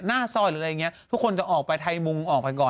หน้าซอยหรืออะไรอย่างเงี้ยทุกคนจะออกไปไทยมุงออกไปก่อน